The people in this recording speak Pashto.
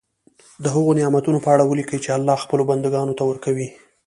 د هغه نعمتونو په اړه ولیکي چې الله خپلو بندګانو ته ورکوي.